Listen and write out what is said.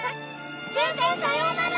先生さようなら！